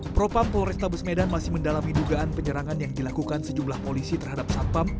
propam polrestabes medan masih mendalami dugaan penyerangan yang dilakukan sejumlah polisi terhadap satpam